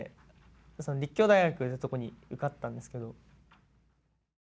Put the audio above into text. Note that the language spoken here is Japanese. その立教大学ってとこに受かったんですけど。